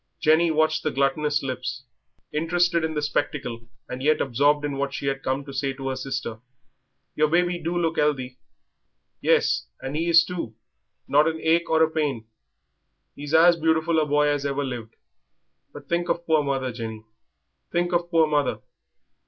Jenny watched the gluttonous lips, interested in the spectacle, and yet absorbed in what she had come to say to her sister. "Your baby do look 'ealthy." "Yes, and he is too, not an ache or a pain. He's as beautiful a boy as ever lived. But think of poor mother, Jenny, think of poor mother."